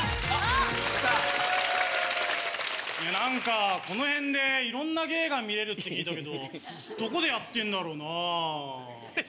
何かこの辺でいろんな芸が見れるって聞いたけどどこでやってんだろうな？